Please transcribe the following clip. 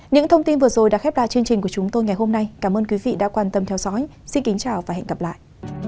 những thông tin vừa rồi đã khép lại chương trình của chúng tôi ngày hôm nay cảm ơn quý vị đã quan tâm theo dõi xin kính chào và hẹn gặp lại